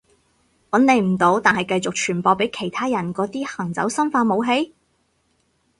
搵你唔到但係繼續傳播畀其他人嗰啲行走生化武器？